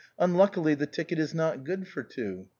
" Unluckily the ticket is not good for two.